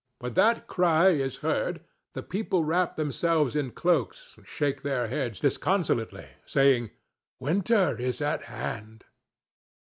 When that cry is heard, the people wrap themselves in cloaks and shake their heads disconsolately, saying, "Winter is at hand."